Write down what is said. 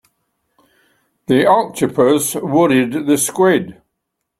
The octopus worried the squid.